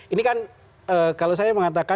ini kan kalau saya mengatakan